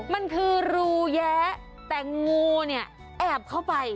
มันคือรูแยะแต่งูเนี่ยแอบเข้าไป